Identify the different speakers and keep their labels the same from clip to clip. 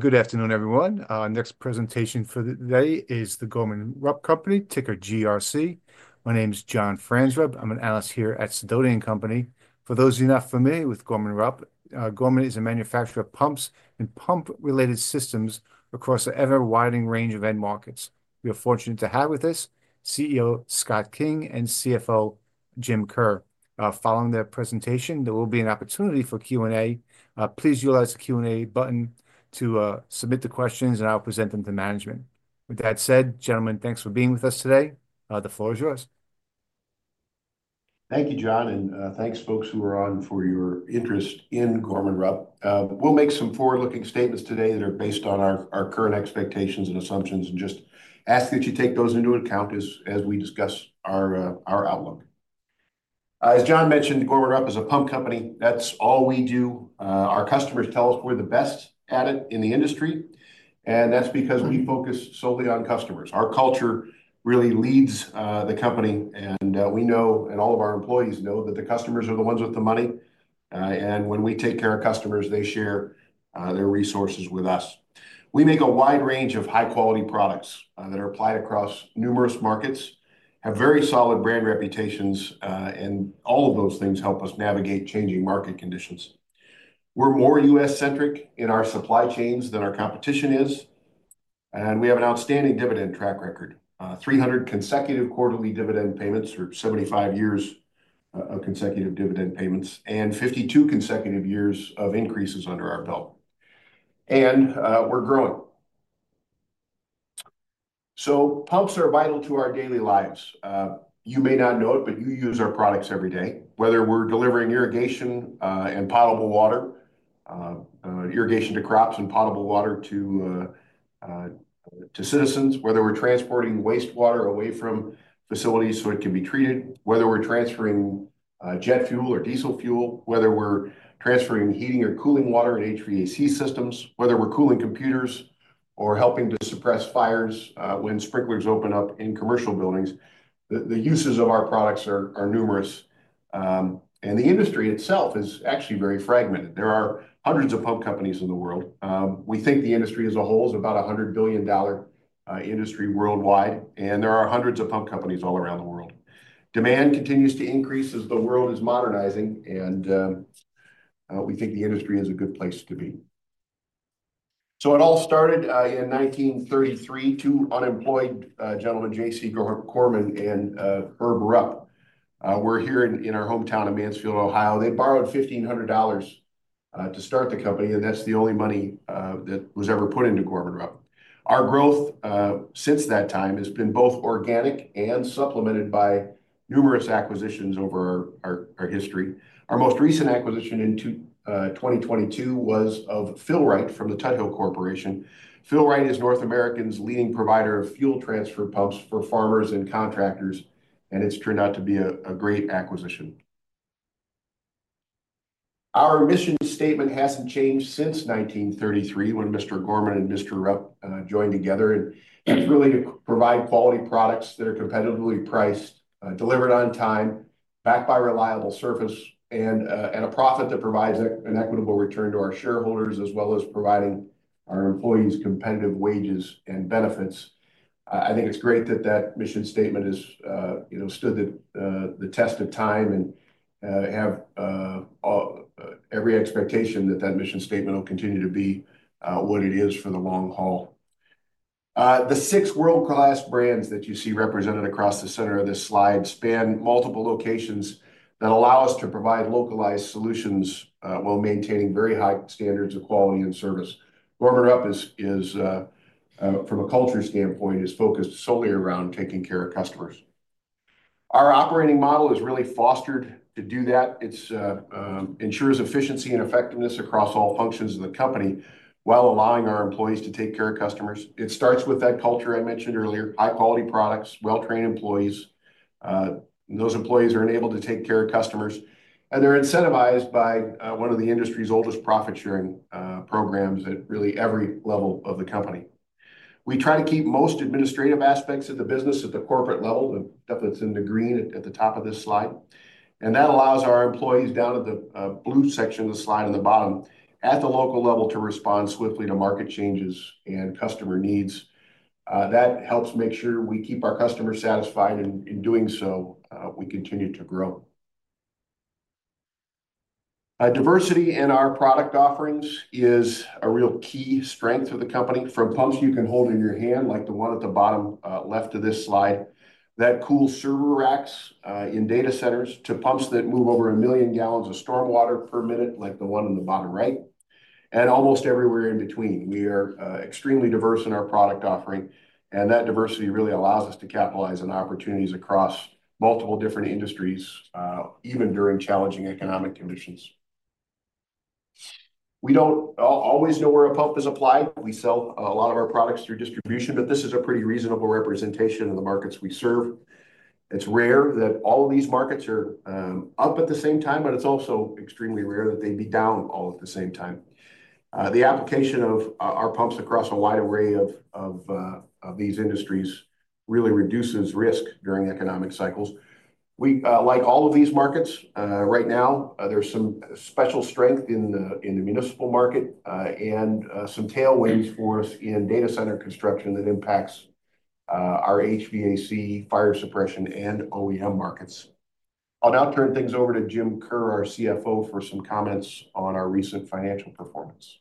Speaker 1: Good afternoon, everyone. Our next presentation for today is the Gorman-Rupp Company, ticker GRC. My name is John Franzreb. I'm an analyst here at Sidoti & Company. For those of you not familiar with Gorman-Rupp, Gorman is a manufacturer of pumps and pump-related systems across an ever-widening range of end markets. We are fortunate to have with us CEO Scott King and CFO Jim Kerr. Following their presentation, there will be an opportunity for Q&A. Please utilize the Q&A button to submit the questions, and I'll present them to management. With that said, gentlemen, thanks for being with us today. The floor is yours.
Speaker 2: Thank you, John, and thanks, folks who are on, for your interest in Gorman-Rupp. We'll make some forward-looking statements today that are based on our current expectations and assumptions and just ask that you take those into account as we discuss our outlook. As John mentioned, Gorman-Rupp is a pump company. That's all we do. Our customers tell us we're the best at it in the industry, and that's because we focus solely on customers. Our culture really leads the company, and we know, and all of our employees know, that the customers are the ones with the money. When we take care of customers, they share their resources with us. We make a wide range of high-quality products that are applied across numerous markets, have very solid brand reputations, and all of those things help us navigate changing market conditions. We're more U.S.-centric in our supply chains than our competition is, and we have an outstanding dividend track record: 300 consecutive quarterly dividend payments for 75 years of consecutive dividend payments and 52 consecutive years of increases under our belt. We're growing. Pumps are vital to our daily lives. You may not know it, but you use our products every day, whether we're delivering irrigation and potable water, irrigation to crops and potable water to citizens, whether we're transporting wastewater away from facilities so it can be treated, whether we're transferring jet fuel or diesel fuel, whether we're transferring heating or cooling water in HVAC systems, whether we're cooling computers or helping to suppress fires when sprinklers open up in commercial buildings. The uses of our products are numerous, and the industry itself is actually very fragmented. There are hundreds of pump companies in the world. We think the industry as a whole is about a $100 billion industry worldwide, and there are hundreds of pump companies all around the world. Demand continues to increase as the world is modernizing, and we think the industry is a good place to be. It all started in 1933. Two unemployed gentlemen, J.C. Gorman and Herb Rupp, were here in our hometown of Mansfield, Ohio. They borrowed $1,500 to start the company, and that's the only money that was ever put into Gorman-Rupp. Our growth since that time has been both organic and supplemented by numerous acquisitions over our history. Our most recent acquisition in 2022 was of Fill-Rite from the Tuthill Corporation. Fill-Rite is North America's leading provider of fuel transfer pumps for farmers and contractors, and it's turned out to be a great acquisition. Our mission statement hasn't changed since 1933 when Mr. Gorman and Mr. Rupp joined together, and it's really to provide quality products that are competitively priced, delivered on time, backed by reliable service, and a profit that provides an equitable return to our shareholders as well as providing our employees competitive wages and benefits. I think it's great that that mission statement has stood the test of time and have every expectation that that mission statement will continue to be what it is for the long haul. The six world-class brands that you see represented across the center of this slide span multiple locations that allow us to provide localized solutions while maintaining very high standards of quality and service. Gorman-Rupp, from a culture standpoint, is focused solely around taking care of customers. Our operating model is really fostered to do that. It ensures efficiency and effectiveness across all functions of the company while allowing our employees to take care of customers. It starts with that culture I mentioned earlier: high-quality products, well-trained employees. Those employees are enabled to take care of customers, and they're incentivized by one of the industry's oldest profit-sharing programs at really every level of the company. We try to keep most administrative aspects of the business at the corporate level. Definitely, it's in the green at the top of this slide. That allows our employees down at the blue section of the slide on the bottom, at the local level, to respond swiftly to market changes and customer needs. That helps make sure we keep our customers satisfied, and in doing so, we continue to grow. Diversity in our product offerings is a real key strength of the company. From pumps you can hold in your hand, like the one at the bottom left of this slide, that cool server racks in data centers, to pumps that move over a million gallons of stormwater per minute, like the one in the bottom right, and almost everywhere in between. We are extremely diverse in our product offering, and that diversity really allows us to capitalize on opportunities across multiple different industries, even during challenging economic conditions. We don't always know where a pump is applied. We sell a lot of our products through distribution, but this is a pretty reasonable representation of the markets we serve. It's rare that all of these markets are up at the same time, but it's also extremely rare that they be down all at the same time. The application of our pumps across a wide array of these industries really reduces risk during economic cycles. Like all of these markets, right now, there is some special strength in the municipal market and some tailwinds for us in data center construction that impacts our HVAC, fire suppression, and OEM markets. I'll now turn things over to Jim Kerr, our CFO, for some comments on our recent financial performance.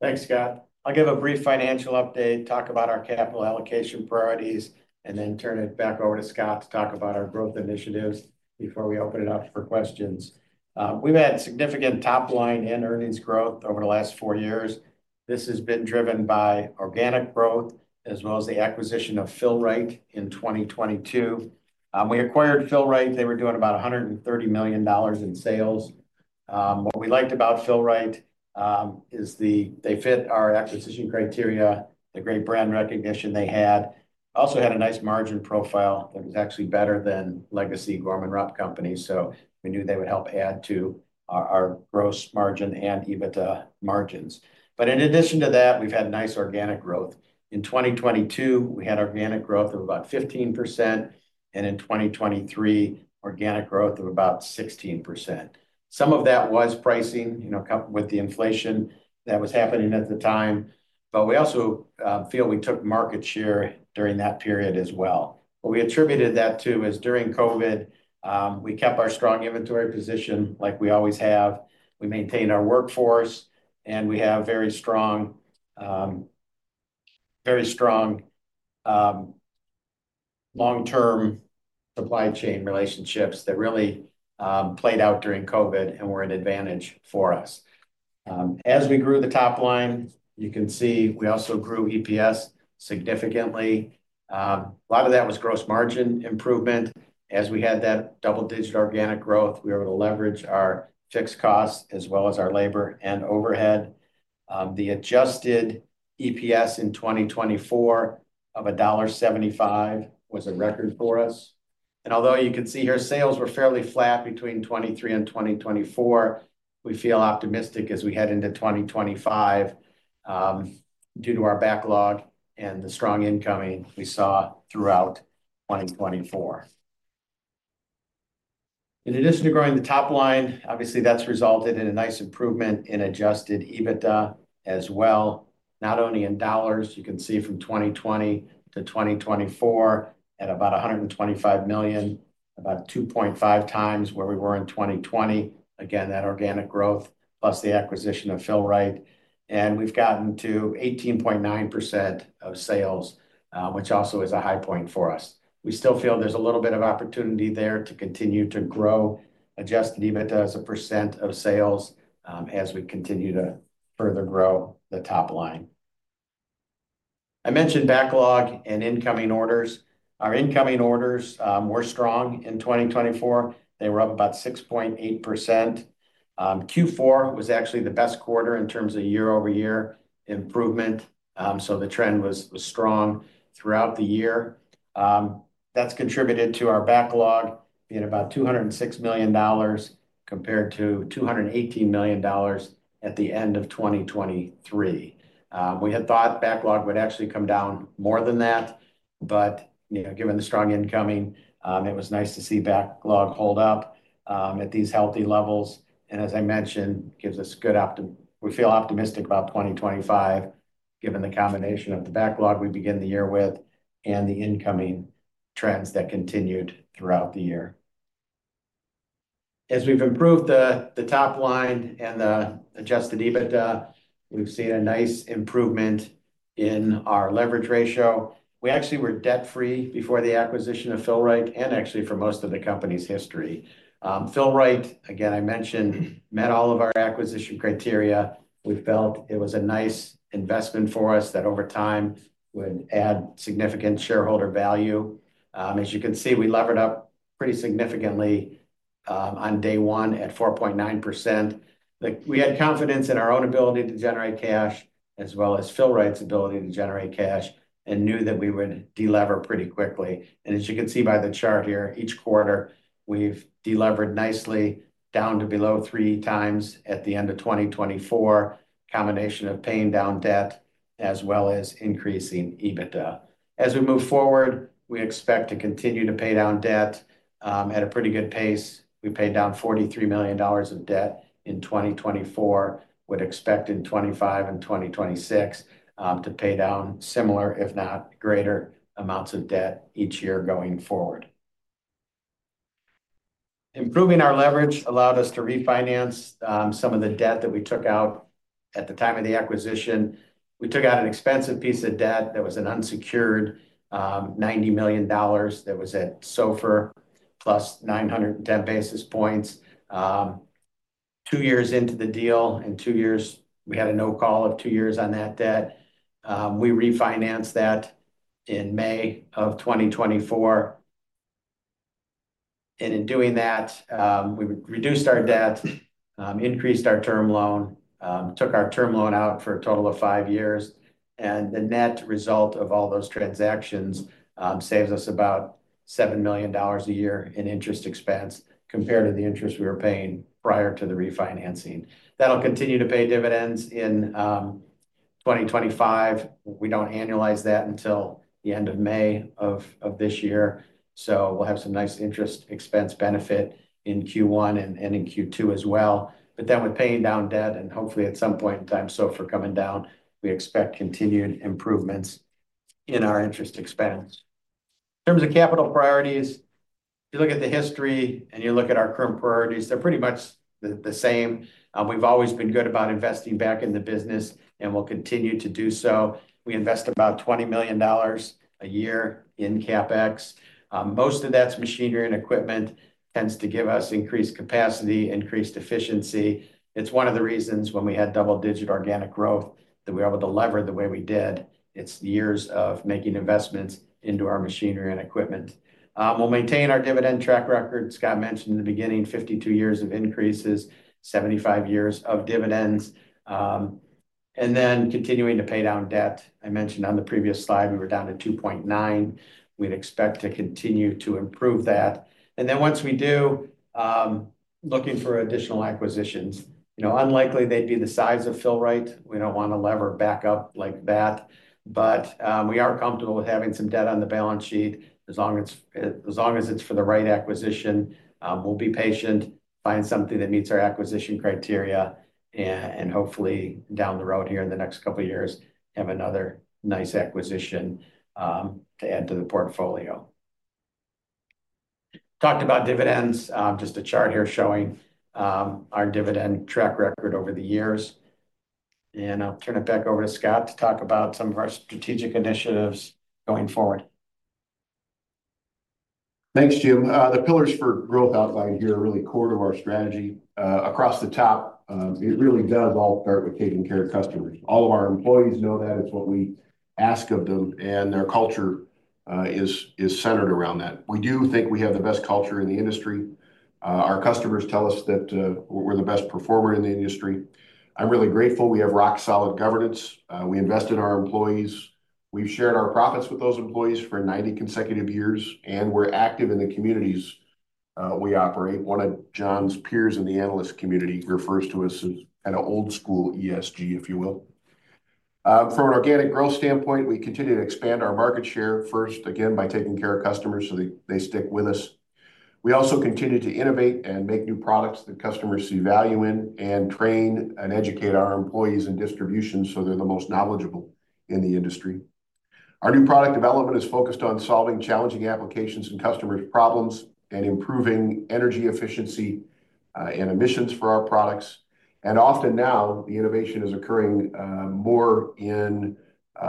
Speaker 3: Thanks, Scott. I'll give a brief financial update, talk about our capital allocation priorities, and then turn it back over to Scott to talk about our growth initiatives before we open it up for questions. We've had significant top-line and earnings growth over the last four years. This has been driven by organic growth as well as the acquisition of Fill-Rite in 2022. We acquired Fill-Rite. They were doing about $130 million in sales. What we liked about Fill-Rite is they fit our acquisition criteria, the great brand recognition they had. Also had a nice margin profile that was actually better than legacy Gorman-Rupp companies, so we knew they would help add to our gross margin and EBITDA margins. In addition to that, we've had nice organic growth. In 2022, we had organic growth of about 15%, and in 2023, organic growth of about 16%. Some of that was pricing with the inflation that was happening at the time, but we also feel we took market share during that period as well. What we attributed that to is during COVID, we kept our strong inventory position like we always have. We maintained our workforce, and we have very strong, very strong long-term supply chain relationships that really played out during COVID and were an advantage for us. As we grew the top line, you can see we also grew EPS significantly. A lot of that was gross margin improvement. As we had that double-digit organic growth, we were able to leverage our fixed costs as well as our labor and overhead. The adjusted EPS in 2024 of $1.75 was a record for us. Although you can see here sales were fairly flat between 2023 and 2024, we feel optimistic as we head into 2025 due to our backlog and the strong incoming we saw throughout 2024. In addition to growing the top line, obviously, that's resulted in a nice improvement in adjusted EBITDA as well, not only in dollars. You can see from 2020 to 2024 at about $125 million, about 2.5 times where we were in 2020. Again, that organic growth plus the acquisition of Fill-Rite, and we've gotten to 18.9% of sales, which also is a high point for us. We still feel there's a little bit of opportunity there to continue to grow adjusted EBITDA as a percent of sales as we continue to further grow the top line. I mentioned backlog and incoming orders. Our incoming orders were strong in 2024. They were up about 6.8%. Q4 was actually the best quarter in terms of year-over-year improvement, so the trend was strong throughout the year. That has contributed to our backlog being about $206 million compared to $218 million at the end of 2023. We had thought backlog would actually come down more than that, but given the strong incoming, it was nice to see backlog hold up at these healthy levels. As I mentioned, it gives us good optimism. We feel optimistic about 2025 given the combination of the backlog we begin the year with and the incoming trends that continued throughout the year. As we have improved the top line and the adjusted EBITDA, we have seen a nice improvement in our leverage ratio. We actually were debt-free before the acquisition of Fill-Rite and actually for most of the company's history. Fill-Rite, again, I mentioned, met all of our acquisition criteria. We felt it was a nice investment for us that over time would add significant shareholder value. As you can see, we levered up pretty significantly on day one at 4.9%. We had confidence in our own ability to generate cash as well as Fill-Rite's ability to generate cash and knew that we would delever pretty quickly. As you can see by the chart here, each quarter we have delevered nicely down to below three times at the end of 2024, a combination of paying down debt as well as increasing EBITDA. As we move forward, we expect to continue to pay down debt at a pretty good pace. We paid down $43 million of debt in 2024. We would expect in 2025 and 2026 to pay down similar, if not greater, amounts of debt each year going forward. Improving our leverage allowed us to refinance some of the debt that we took out at the time of the acquisition. We took out an expensive piece of debt that was an unsecured $90 million that was at SOFR plus 910 basis points. Two years into the deal and two years we had a no-call of two years on that debt. We refinanced that in May of 2024. In doing that, we reduced our debt, increased our term loan, took our term loan out for a total of five years, and the net result of all those transactions saves us about $7 million a year in interest expense compared to the interest we were paying prior to the refinancing. That'll continue to pay dividends in 2025. We do not annualize that until the end of May of this year, so we will have some nice interest expense benefit in Q1 and in Q2 as well. With paying down debt and hopefully at some point in time SOFR coming down, we expect continued improvements in our interest expense. In terms of capital priorities, you look at the history and you look at our current priorities, they are pretty much the same. We have always been good about investing back in the business, and we will continue to do so. We invest about $20 million a year in CapEx. Most of that is machinery and equipment, tends to give us increased capacity, increased efficiency. It is one of the reasons when we had double-digit organic growth that we were able to lever the way we did. It is years of making investments into our machinery and equipment. We will maintain our dividend track record. Scott mentioned in the beginning, 52 years of increases, 75 years of dividends. Continuing to pay down debt. I mentioned on the previous slide we were down to 2.9. We'd expect to continue to improve that. Once we do, looking for additional acquisitions, unlikely they'd be the size of Fill-Rite. We don't want to lever back up like that, but we are comfortable with having some debt on the balance sheet as long as it's for the right acquisition. We'll be patient, find something that meets our acquisition criteria, and hopefully down the road here in the next couple of years, have another nice acquisition to add to the portfolio. Talked about dividends. Just a chart here showing our dividend track record over the years. I'll turn it back over to Scott to talk about some of our strategic initiatives going forward.
Speaker 2: Thanks, Jim. The pillars for growth outlined here are really core to our strategy. Across the top, it really does all start with taking care of customers. All of our employees know that. It's what we ask of them, and their culture is centered around that. We do think we have the best culture in the industry. Our customers tell us that we're the best performer in the industry. I'm really grateful we have rock-solid governance. We invest in our employees. We've shared our profits with those employees for 90 consecutive years, and we're active in the communities we operate. One of John's peers in the analyst community refers to us as kind of old-school ESG, if you will. From an organic growth standpoint, we continue to expand our market share, first again by taking care of customers so they stick with us. We also continue to innovate and make new products that customers see value in and train and educate our employees in distribution so they're the most knowledgeable in the industry. Our new product development is focused on solving challenging applications and customers' problems and improving energy efficiency and emissions for our products. Often now, the innovation is occurring more in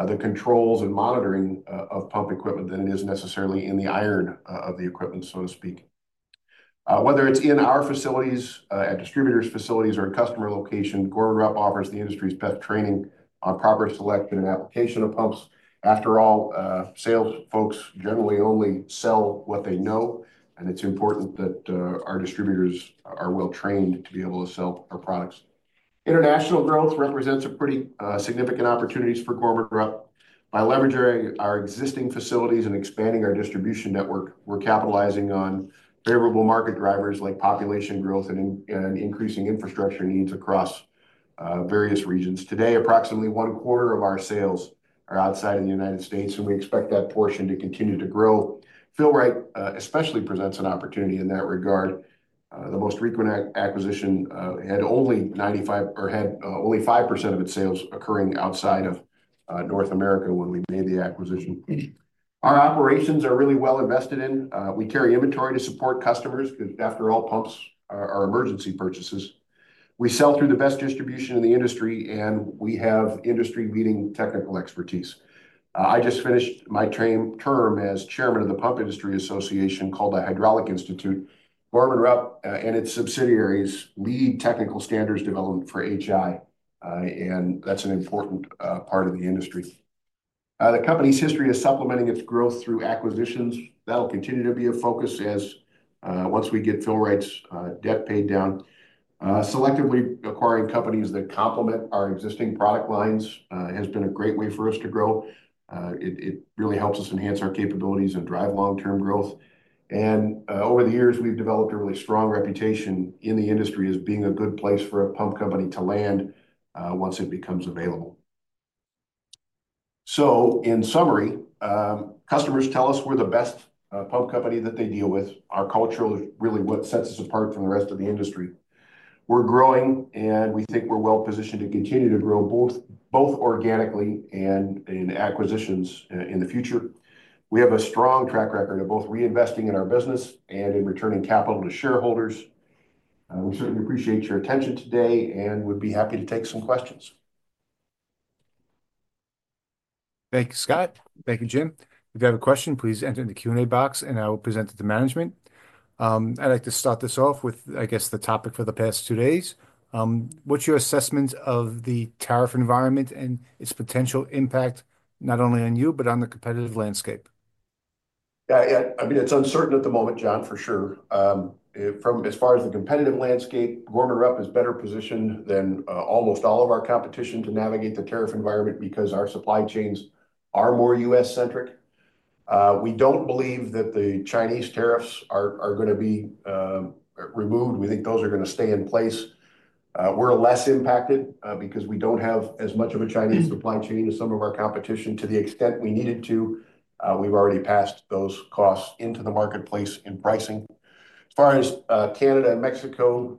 Speaker 2: the controls and monitoring of pump equipment than it is necessarily in the iron of the equipment, so to speak. Whether it's in our facilities, at distributors' facilities, or at customer locations, Gorman-Rupp offers the industry's best training on proper selection and application of pumps. After all, sales folks generally only sell what they know, and it's important that our distributors are well-trained to be able to sell our products. International growth represents a pretty significant opportunity for Gorman-Rupp. By leveraging our existing facilities and expanding our distribution network, we're capitalizing on favorable market drivers like population growth and increasing infrastructure needs across various regions. Today, approximately one quarter of our sales are outside of the U.S., and we expect that portion to continue to grow. Fill-Rite especially presents an opportunity in that regard. The most recent acquisition had only 5% of its sales occurring outside of North America when we made the acquisition. Our operations are really well invested in. We carry inventory to support customers because after all, pumps are emergency purchases. We sell through the best distribution in the industry, and we have industry-leading technical expertise. I just finished my term as chairman of the Pump Industry Association called the Hydraulic Institute. Gorman-Rupp and its subsidiaries lead technical standards development for HI, and that's an important part of the industry. The company's history is supplementing its growth through acquisitions. That'll continue to be a focus once we get Fill-Rite's debt paid down. Selectively acquiring companies that complement our existing product lines has been a great way for us to grow. It really helps us enhance our capabilities and drive long-term growth. Over the years, we've developed a really strong reputation in the industry as being a good place for a pump company to land once it becomes available. In summary, customers tell us we're the best pump company that they deal with. Our culture is really what sets us apart from the rest of the industry. We're growing, and we think we're well-positioned to continue to grow both organically and in acquisitions in the future. We have a strong track record of both reinvesting in our business and in returning capital to shareholders. We certainly appreciate your attention today and would be happy to take some questions.
Speaker 1: Thank you, Scott. Thank you, Jim. If you have a question, please enter the Q&A box, and I will present it to management. I'd like to start this off with, I guess, the topic for the past two days. What's your assessment of the tariff environment and its potential impact not only on you, but on the competitive landscape?
Speaker 2: Yeah. I mean, it's uncertain at the moment, John, for sure. As far as the competitive landscape, Gorman-Rupp is better positioned than almost all of our competition to navigate the tariff environment because our supply chains are more U.S.-centric. We don't believe that the Chinese tariffs are going to be removed. We think those are going to stay in place. We're less impacted because we don't have as much of a Chinese supply chain as some of our competition. To the extent we needed to, we've already passed those costs into the marketplace in pricing. As far as Canada and Mexico,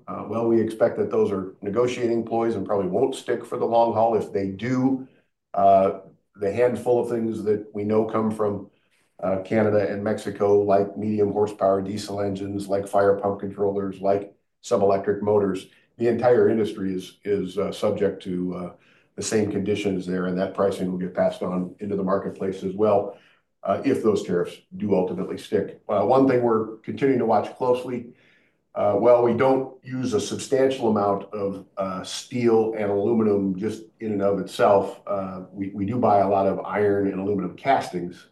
Speaker 2: we expect that those are negotiating ploys and probably won't stick for the long haul. If they do, the handful of things that we know come from Canada and Mexico, like medium horsepower diesel engines, like fire pump controllers, like some electric motors, the entire industry is subject to the same conditions there, and that pricing will get passed on into the marketplace as well if those tariffs do ultimately stick. One thing we're continuing to watch closely, we don't use a substantial amount of steel and aluminum just in and of itself. We do buy a lot of iron and aluminum castings,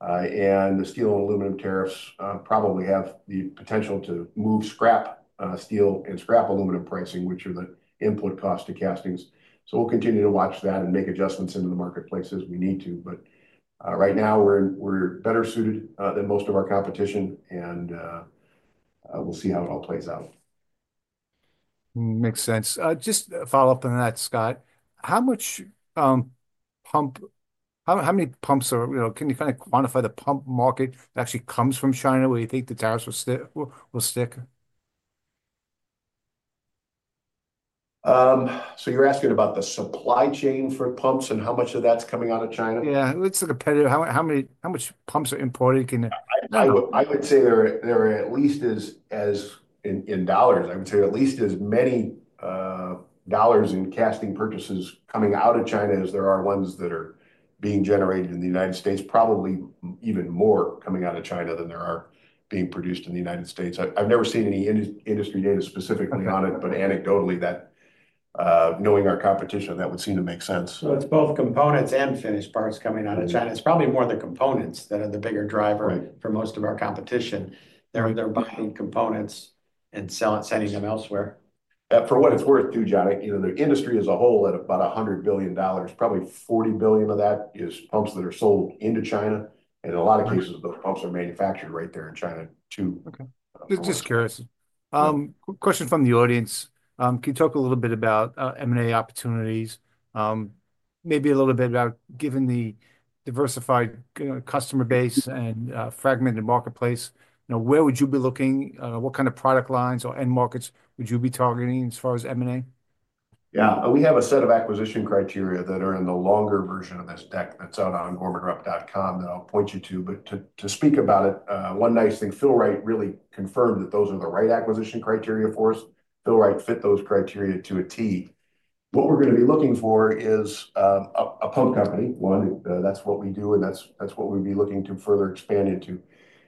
Speaker 2: and the steel and aluminum tariffs probably have the potential to move scrap steel and scrap aluminum pricing, which are the input costs to castings. We'll continue to watch that and make adjustments into the marketplace as we need to. Right now, we're better suited than most of our competition, and we'll see how it all plays out.
Speaker 1: Makes sense. Just a follow-up on that, Scott. How many pumps are—can you kind of quantify the pump market that actually comes from China where you think the tariffs will stick?
Speaker 2: You're asking about the supply chain for pumps and how much of that's coming out of China?
Speaker 1: Yeah. It's competitive. How much pumps are imported?
Speaker 2: I would say there are at least as in dollars. I would say at least as many dollars in casting purchases coming out of China as there are ones that are being generated in the United States, probably even more coming out of China than there are being produced in the United States. I've never seen any industry data specifically on it, but anecdotally, knowing our competition, that would seem to make sense.
Speaker 3: It is both components and finished parts coming out of China. It is probably more the components that are the bigger driver for most of our competition. They are buying components and sending them elsewhere.
Speaker 2: For what it's worth too, John, the industry as a whole at about $100 billion, probably $40 billion of that is pumps that are sold into China. And in a lot of cases, those pumps are manufactured right there in China too.
Speaker 1: Just curious. Question from the audience. Can you talk a little bit about M&A opportunities? Maybe a little bit about, given the diversified customer base and fragmented marketplace, where would you be looking? What kind of product lines or end markets would you be targeting as far as M&A?
Speaker 2: Yeah. We have a set of acquisition criteria that are in the longer version of this deck that's out on gormanrupp.com that I'll point you to. But to speak about it, one nice thing, Fill-Rite really confirmed that those are the right acquisition criteria for us. Fill-Rite fit those criteria to a T. What we're going to be looking for is a pump company, one. That's what we do, and that's what we'd be looking to further expand into.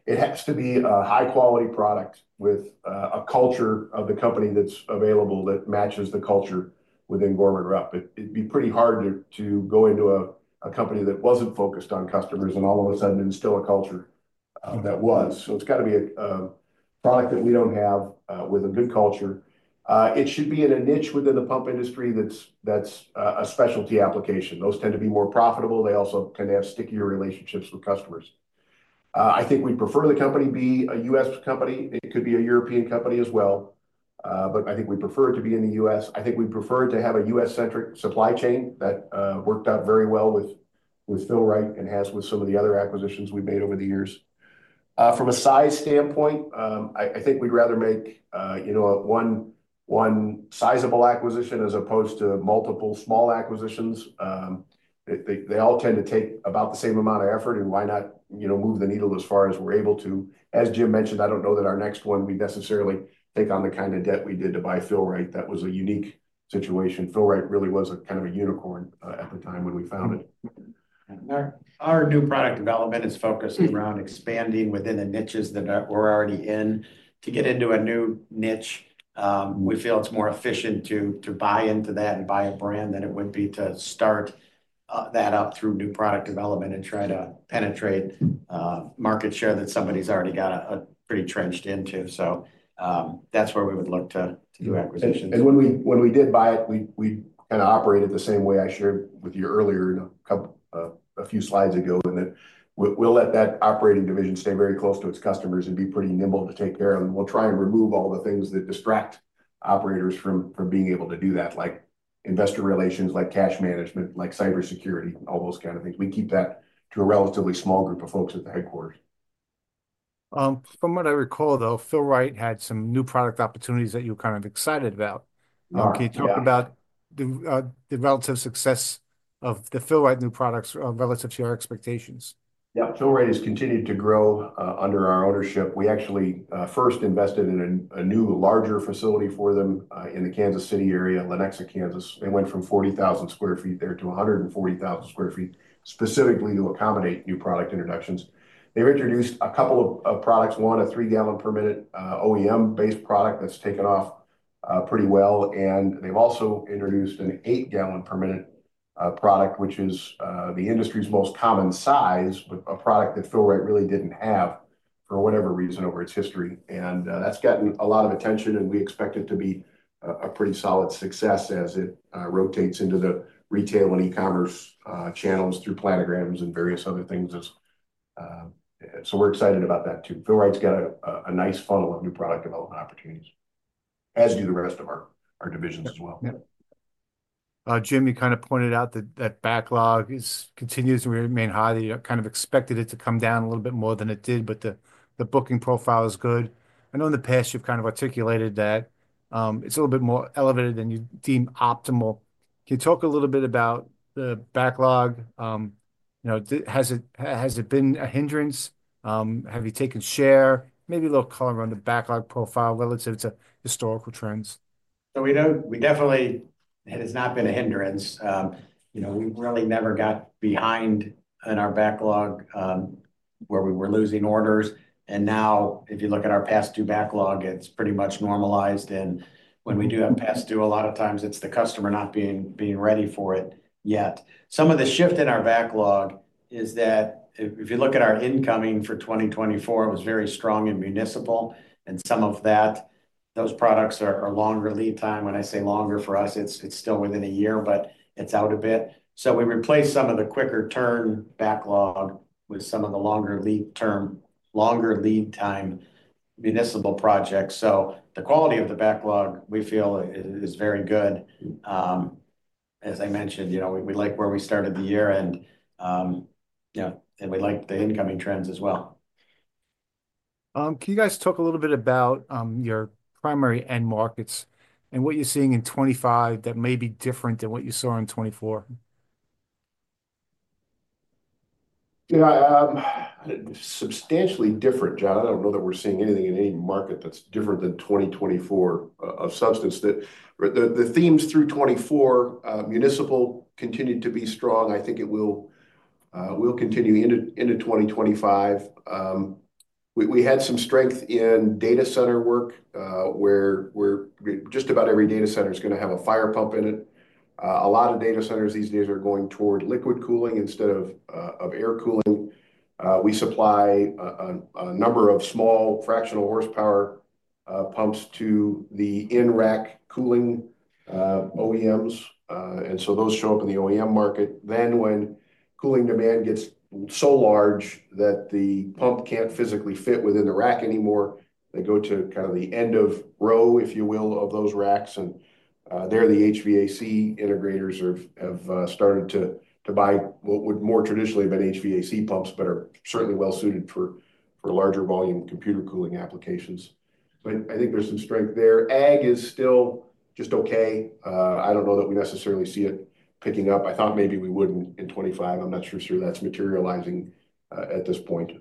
Speaker 2: It has to be a high-quality product with a culture of the company that's available that matches the culture within Gorman-Rupp. It'd be pretty hard to go into a company that wasn't focused on customers and all of a sudden instill a culture that was. So it's got to be a product that we don't have with a good culture. It should be in a niche within the pump industry that's a specialty application. Those tend to be more profitable. They also tend to have stickier relationships with customers. I think we'd prefer the company be a U.S. company. It could be a European company as well, but I think we prefer it to be in the U.S. I think we'd prefer it to have a U.S.-centric supply chain that worked out very well with Fill-Rite and has with some of the other acquisitions we've made over the years. From a size standpoint, I think we'd rather make one sizable acquisition as opposed to multiple small acquisitions. They all tend to take about the same amount of effort, and why not move the needle as far as we're able to? As Jim mentioned, I don't know that our next one we'd necessarily take on the kind of debt we did to buy Fill-Rite. That was a unique situation. Fill-Rite really was kind of a unicorn at the time when we found it.
Speaker 3: Our new product development is focused around expanding within the niches that we're already in. To get into a new niche, we feel it's more efficient to buy into that and buy a brand than it would be to start that up through new product development and try to penetrate market share that somebody's already got pretty trenched into. That is where we would look to do acquisitions.
Speaker 2: When we did buy it, we kind of operated the same way I shared with you earlier in a few slides ago, in that we'll let that operating division stay very close to its customers and be pretty nimble to take care of them. We'll try and remove all the things that distract operators from being able to do that, like investor relations, like cash management, like cybersecurity, all those kinds of things. We keep that to a relatively small group of folks at the headquarters.
Speaker 1: From what I recall, though, Fill-Rite had some new product opportunities that you were kind of excited about. Can you talk about the relative success of the Fill-Rite new products relative to your expectations?
Speaker 2: Yeah. Fill-Rite has continued to grow under our ownership. We actually first invested in a new, larger facility for them in the Kansas City area, Lenexa, Kansas. They went from 40,000 sq ft there to 140,000 sq ft specifically to accommodate new product introductions. They've introduced a couple of products. One, a three-gallon-per-minute OEM-based product that's taken off pretty well. They've also introduced an eight-gallon-per-minute product, which is the industry's most common size, but a product that Fill-Rite really didn't have for whatever reason over its history. That's gotten a lot of attention, and we expect it to be a pretty solid success as it rotates into the retail and e-commerce channels through planograms and various other things. We are excited about that too. Fill-Rite's got a nice funnel of new product development opportunities, as do the rest of our divisions as well.
Speaker 1: Jim, you kind of pointed out that that backlog continues to remain high. You kind of expected it to come down a little bit more than it did, but the booking profile is good. I know in the past you've kind of articulated that it's a little bit more elevated than you deem optimal. Can you talk a little bit about the backlog? Has it been a hindrance? Have you taken share? Maybe a little color on the backlog profile relative to historical trends?
Speaker 3: We definitely—it has not been a hindrance. We really never got behind in our backlog where we were losing orders. Now, if you look at our past due backlog, it is pretty much normalized. When we do have past due, a lot of times it is the customer not being ready for it yet. Some of the shift in our backlog is that if you look at our incoming for 2024, it was very strong and municipal. Some of those products are longer lead time. When I say longer for us, it is still within a year, but it is out a bit. We replaced some of the quicker-turn backlog with some of the longer lead-term, longer lead-time municipal projects. The quality of the backlog, we feel, is very good. As I mentioned, we like where we started the year, and we like the incoming trends as well.
Speaker 1: Can you guys talk a little bit about your primary end markets and what you're seeing in 2025 that may be different than what you saw in 2024?
Speaker 2: Yeah. Substantially different, John. I don't know that we're seeing anything in any market that's different than 2024 of substance. The themes through 2024, municipal continued to be strong. I think it will continue into 2025. We had some strength in data center work where just about every data center is going to have a fire pump in it. A lot of data centers these days are going toward liquid cooling instead of air cooling. We supply a number of small fractional horsepower pumps to the in-rack cooling OEMs. Those show up in the OEM market. When cooling demand gets so large that the pump can't physically fit within the rack anymore, they go to kind of the end of row, if you will, of those racks. There, the HVAC integrators have started to buy what would more traditionally have been HVAC pumps, but are certainly well-suited for larger volume computer cooling applications. I think there is some strength there. Ag is still just okay. I do not know that we necessarily see it picking up. I thought maybe we would not in 2025. I am not sure that is materializing at this point.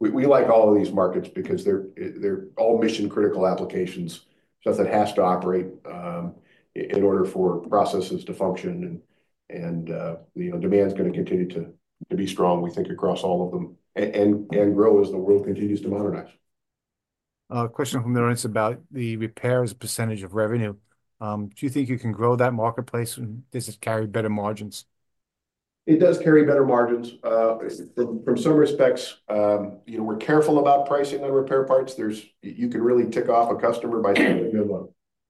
Speaker 2: We like all of these markets because they are all mission-critical applications, stuff that has to operate in order for processes to function. Demand is going to continue to be strong, we think, across all of them and grow as the world continues to modernize.
Speaker 1: Question from the audience about the repairs percentage of revenue. Do you think you can grow that marketplace and does it carry better margins?
Speaker 2: It does carry better margins. From some respects, we're careful about pricing on repair parts. You can really tick off a customer by saying they're good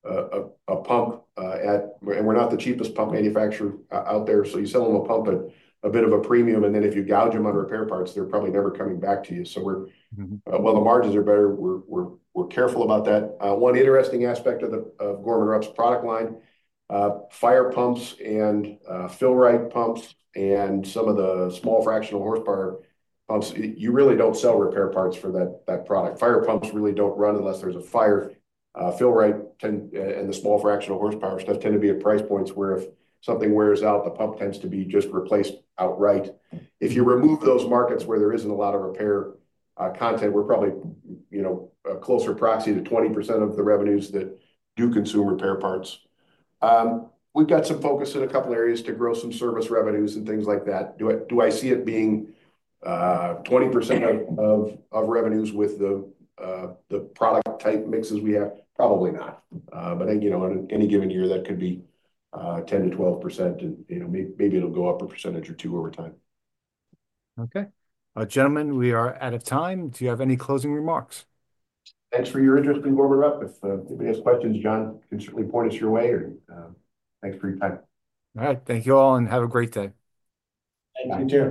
Speaker 2: on a pump. We're not the cheapest pump manufacturer out there. You sell them a pump at a bit of a premium, and then if you gouge them on repair parts, they're probably never coming back to you. While the margins are better, we're careful about that. One interesting aspect of Gorman-Rupp's product line, fire pumps and Fill-Rite pumps and some of the small fractional horsepower pumps, you really don't sell repair parts for that product. Fire pumps really don't run unless there's a fire. Fill-Rite and the small fractional horsepower stuff tend to be at price points where if something wears out, the pump tends to be just replaced outright. If you remove those markets where there isn't a lot of repair content, we're probably a closer proxy to 20% of the revenues that do consume repair parts. We've got some focus in a couple of areas to grow some service revenues and things like that. Do I see it being 20% of revenues with the product type mixes we have? Probably not. In any given year, that could be 10-12%, and maybe it'll go up a percentage or two over time.
Speaker 1: Okay. Gentlemen, we are out of time. Do you have any closing remarks?
Speaker 2: Thanks for your interest, Gorman-Rupp. If anybody has questions, John, you can certainly point us your way. Thanks for your time.
Speaker 1: All right. Thank you all, and have a great day.
Speaker 2: Thank you.